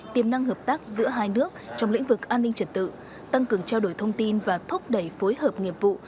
tiềm năng hợp tác giữa hai nước trong lĩnh vực an ninh trật tự tăng cường trao đổi thông tin và thúc đẩy phối hợp nghiệp vụ